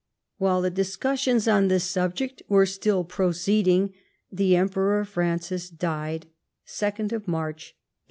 Whilst the discussions on this subject were still proceeding, the Emperor Francis died (2nd March, 1832).